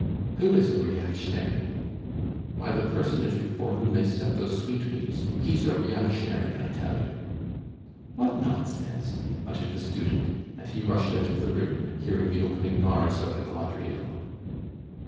"Who is a reactionary?" "Why, the personage before whom they set those sweet meats. He's a reactionary, I tell you." "What nonsense!" muttered the student, and he rushed out of the room, hearing the opening bars of the quadrille.